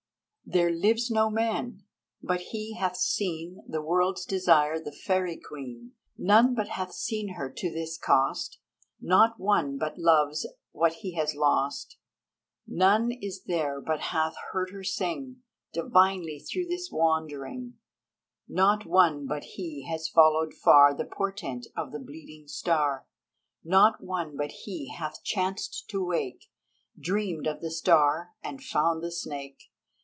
There lives no man but he hath seen The World's Desire, the fairy queen. None but hath seen her to his cost, Not one but loves what he has lost. None is there but hath heard her sing Divinely through his wandering; Not one but he has followed far The portent of the Bleeding Star; Not one but he hath chanced to wake, Dreamed of the Star and found the Snake.